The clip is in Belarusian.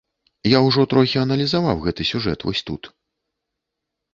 Я ўжо трохі аналізаваў гэты сюжэт вось тут.